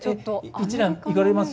一蘭行かれます？